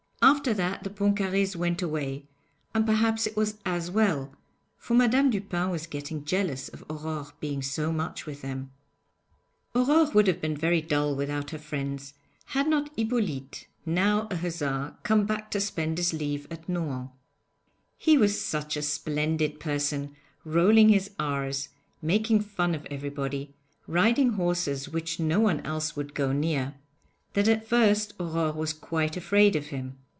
After that the Pontcarrés went away, and perhaps it was as well, for Madame Dupin was getting jealous of Aurore being so much with them. Aurore would have been very dull without her friends had not Hippolyte, now a hussar, come back to spend his leave at Nohant. He was such a splendid person, rolling his r's, making fun of everybody, riding horses which no one else would go near, that at first Aurore was quite afraid of him.